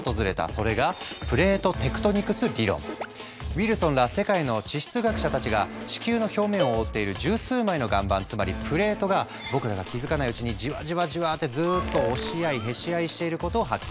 それがウィルソンら世界の地質学者たちが地球の表面を覆っている十数枚の岩盤つまりプレートが僕らが気付かないうちにジワジワジワッってずっと押し合いへし合いしていることを発見した。